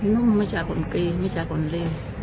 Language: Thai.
นุ่มมันช่ายความกีมันช่ายความเลี่ยง